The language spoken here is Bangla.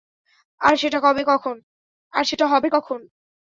আর সেটা হবে কখন?